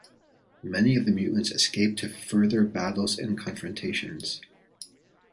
Many of the mutants escape to further battles and confrontations.